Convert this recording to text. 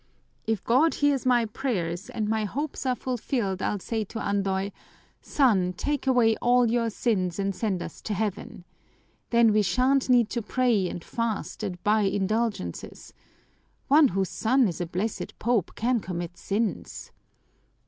"If God hears my prayers and my hopes are fulfilled, I'll say to Andoy, 'Son, take away all our sins and send us to Heaven!' Then we shan't need to pray and fast and buy indulgences. One whose son is a blessed Pope can commit sins!"